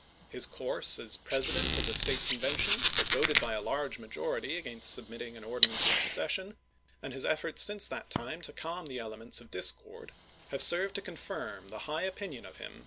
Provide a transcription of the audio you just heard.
His course as president of the State Convention that voted by a large majority as^ainst submitting an ordinance of secession, and his efforts since that time to calm the elements of JH"?.^'!,?'^^ , \V. x\. V 01. discord, have served to confirm the high opinion of mm m.